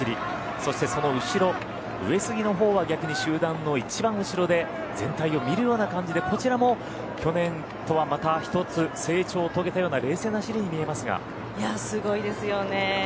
そしてその後ろ上杉のほうは逆に集団の一番後ろで全体を見るような感じでこちらも去年とはまた１つ成長を遂げたようないや、すごいですよね。